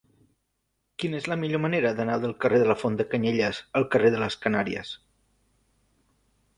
Quina és la millor manera d'anar del carrer de la Font de Canyelles al carrer de les Canàries?